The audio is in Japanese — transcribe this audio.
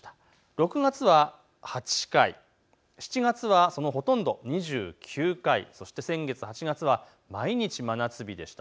６月は８回、７月はそのほとんど２９回、そして先月８月は毎日、真夏日でした。